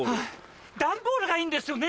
段ボールがいいんですよね？